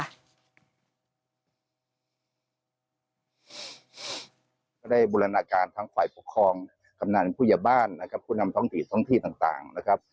ก็ได้บุรนาการทั้งฝ่ายปกครองคำนาญพุยบ้านคุณำท้องถือท้องที่ต่าง